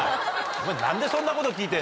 お前何でそんなこと聞いてんの？